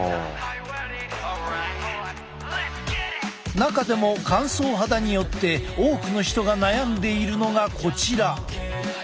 中でも乾燥肌によって多くの人が悩んでいるのがこちら。